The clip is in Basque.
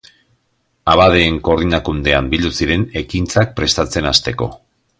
Abadeen Koordinakundean bildu ziren ekintzak prestatzen hasteko.